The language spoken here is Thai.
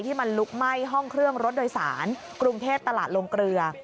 มันลุกไหม้ห้องเครื่องรถโดยสารกรุงเทพตลาดลงเกลือ